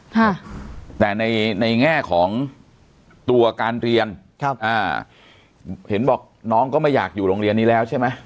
ค่ะแต่ในในแง่ของตัวการเรียนครับอ่าเห็นบอกน้องก็ไม่อยากอยู่โรงเรียนนี้แล้วใช่ไหม